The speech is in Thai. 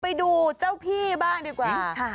ไปดูเจ้าพี่บ้างดีกว่า